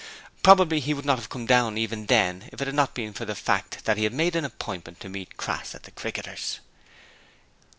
Probably he would not have come down even then if it had not been for the fact that he had made an appointment to meet Crass at the Cricketers.